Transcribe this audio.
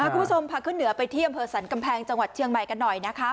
คุณผู้ชมพาขึ้นเหนือไปที่อำเภอสรรกำแพงจังหวัดเชียงใหม่กันหน่อยนะคะ